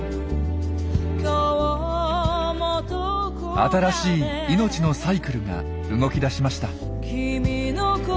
新しい命のサイクルが動きだしました。